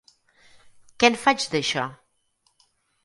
Què en faig d'això?